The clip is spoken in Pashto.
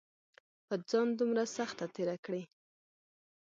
پۀ ځان دومره سخته تېره کړې